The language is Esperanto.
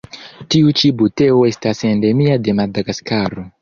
Tiu ĉi buteo estas endemia de Madagaskaro.